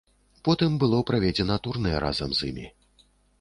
Потым было праведзена турнэ разам з імі.